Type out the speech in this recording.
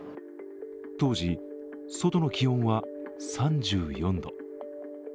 当時、外の気温は３４度。